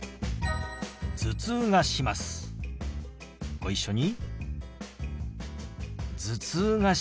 ご一緒に。